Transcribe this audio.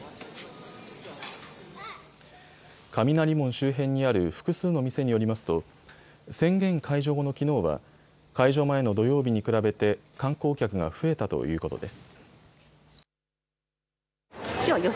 雷門周辺にある複数の店によりますと宣言解除後のきのうは解除前の土曜日に比べて観光客が増えたということです。